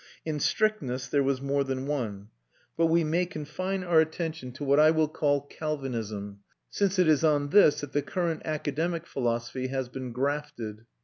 In strictness there was more than one; but we may confine our attention to what I will call Calvinism, since it is on this that the current academic philosophy has been grafted.